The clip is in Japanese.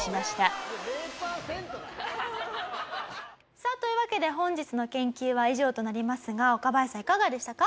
さあというわけで本日の研究は以上となりますが若林さんいかがでしたか？